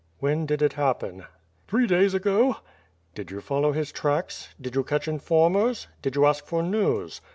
"When did it happen?" "Three days ago?" "Did you follow his tracks. Did you catch informers? Did you ask for news?